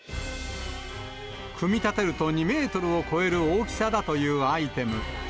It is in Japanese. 組み立てると２メートルを超える大きさだというアイテム。